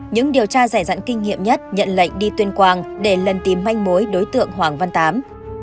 những điều tra giải dẫn kinh nghiệm nhất nhận lệnh đi tuyên quang để lần tìm manh mối đối tượng hoàng văn tám